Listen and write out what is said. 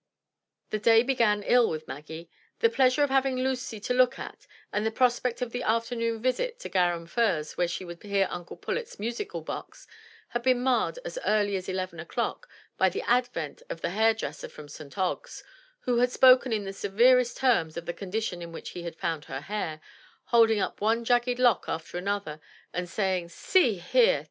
The day began ill with Maggie. The pleasure of having Lucy to look at, and the prospect of the afternoon visit at Garum Firs, where she would hear Uncle Pullet's musical box, had been marred as early as eleven o'clock by the advent of the hair dresser from St. Ogg's, who had spoken in the severest terms of the condition in which he had found her hair, holding up one jagged lock after another and saying, "See here!